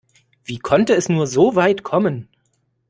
Wie konnte es nur so weit kommen?